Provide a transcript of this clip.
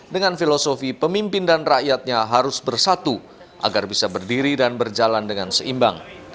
dengan filosofi pemimpin dan rakyatnya harus bersatu agar bisa berdiri dan berjalan dengan seimbang